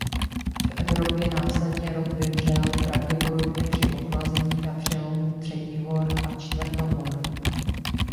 V Evropě následně rod vymřel pravděpodobně při ochlazení na přelomu třetihor a čtvrtohor.